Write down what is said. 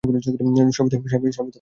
সাবিথা, তুমি যাও।